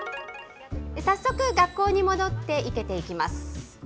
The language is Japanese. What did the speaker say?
早速、学校に戻って生けていきます。